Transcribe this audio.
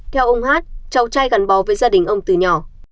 theo ông h h cháu trai gắn bò với gia đình ông từ nhỏ